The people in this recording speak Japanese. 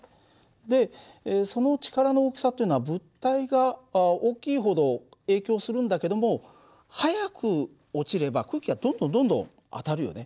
でその力の大きさっていうのは物体が大きいほど影響するんだけども速く落ちれば空気はどんどんどんどん当たるよね。